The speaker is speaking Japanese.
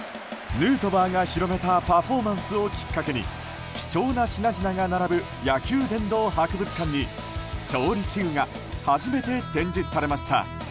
ヌートバーが広めたパフォーマンスをきっかけに貴重な品々が並ぶ野球殿堂博物館に調理器具が初めて展示されました。